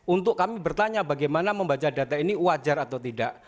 untuk kami bertanya bagaimana membaca data ini wajar atau tidak